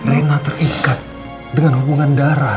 rena terikat dengan hubungan darah